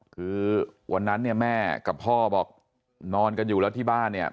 คือวันนั้นเนี่ยแม่กับพ่อบอกนอนกันอยู่แล้วที่บ้านเนี่ย